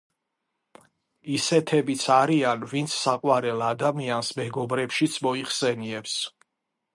ისეთებიც არიან, ვინც საყვარელ ადამიანს მეგობრებშიც მოიხსენიებს.